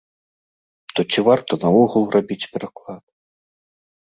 То ці варта наогул рабіць пераклад?